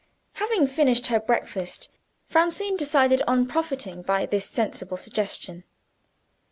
Having finished her breakfast, Francine decided on profiting by this sensible suggestion.